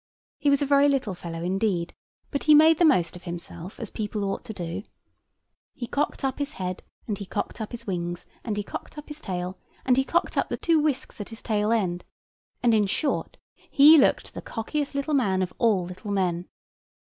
He was a very little fellow indeed: but he made the most of himself, as people ought to do. He cocked up his head, and he cocked up his wings, and he cocked up his tail, and he cocked up the two whisks at his tail end, and, in short, he looked the cockiest little man of all little men.